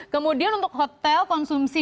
kemudian untuk hotel konsumsi